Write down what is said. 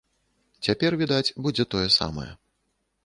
Цяпер, відаць, будзе тое самае.